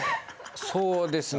そうですね